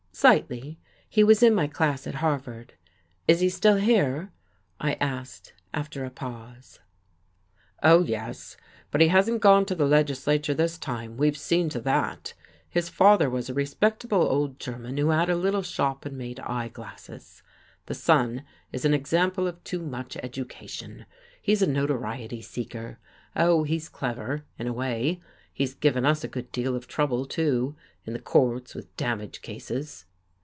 "Slightly. He was in my class at Harvard.... Is he still here?" I asked, after a pause. "Oh, yes. But he hasn't gone to the legislature this time, we've seen to that. His father was a respectable old German who had a little shop and made eye glasses. The son is an example of too much education. He's a notoriety seeker. Oh, he's clever, in a way. He's given us a good deal of trouble, too, in the courts with damage cases."...